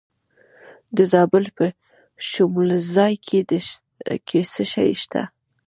د زابل په شمولزای کې څه شی شته؟